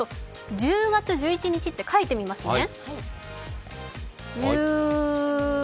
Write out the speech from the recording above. １０月１１日って書いてみますね。